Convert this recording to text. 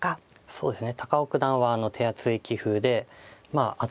そうですね。